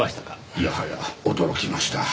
いやはや驚きました。